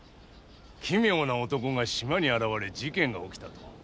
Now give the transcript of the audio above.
奇妙な男が島に現れ事件が起きたと。